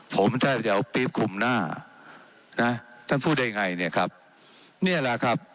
ผมถ้าจะเอาปี๊บคุมหน้านะท่านพูดได้ไงเนี่ยครับนี่แหละครับ